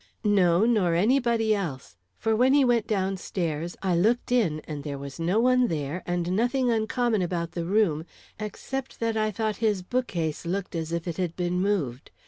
"No, nor anybody else. For when he went down stairs, I looked in and there was no one there, and nothing uncommon about the room, except that I thought his bookcase looked as if it had been moved.